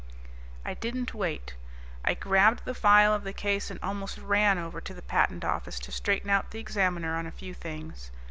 _ I didn't wait. I grabbed the file of the Case and almost ran over to the Patent Office to straighten out the Examiner on a few things.